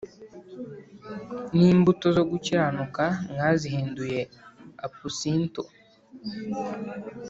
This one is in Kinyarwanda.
n’imbuto zo gukiranuka mwazihinduye apusinto